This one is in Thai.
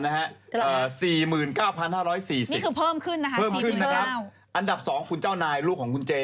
นี่คือเพิ่มขึ้นนะฮะปีเป็นอันดับสองคุณเจ้านายลูกของคุณเจ